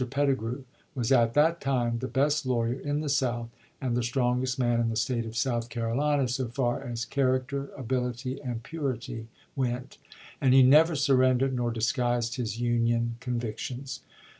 Petigru was at that time the best lawyer in the South, and the strongest man in the State of South Carolina so far as character, ability, and purity went, and he never surrendered nor disguised his Union convictions.